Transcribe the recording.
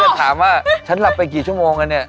จริงเพราะว่าฉันหลับไปกี่ชั่วโมงแล้วยังเนี่ย